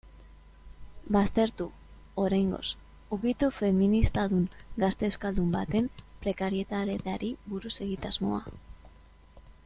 Baztertu, oraingoz, ukitu feministadun gazte euskaldun baten prekarietateari buruzko egitasmoa.